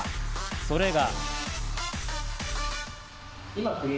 それが。